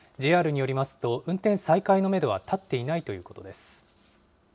ＪＲによりますと、運転再開のメドは立っていないということです。